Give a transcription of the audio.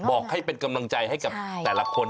บอกให้เป็นกำลังใจให้กับแต่ละคน